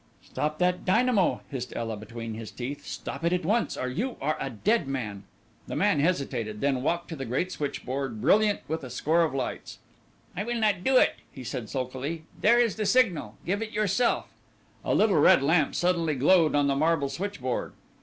"Stop that dynamo," hissed Ela between his teeth. "Stop it at once, or you are a dead man." The man hesitated, then walked to the great switchboard, brilliant with a score of lights. "I will not do it," he said sulkily. "There is the signal; give it yourself." A little red lamp suddenly glowed on the marble switchboard.